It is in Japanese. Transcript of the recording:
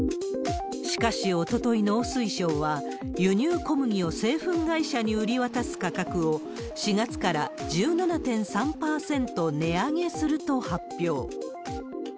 しかし、おととい、農水省は輸入小麦を製粉会社に売り渡す価格を、４月から１７．３％値上げすると発表。